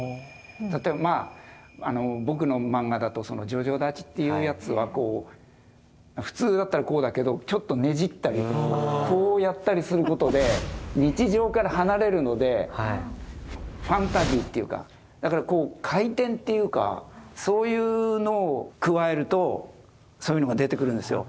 例えば僕のマンガだとジョジョ立ちっていうやつは普通だったらこうだけどちょっとねじったりこうやったりすることで日常から離れるのでファンタジーっていうかだからこう回転っていうかそういうのを加えるとそういうのが出てくるんですよ。